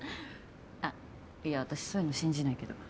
あいや私そういうの信じないけど。